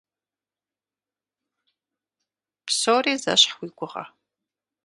Псори зэщхь уи гугъэ?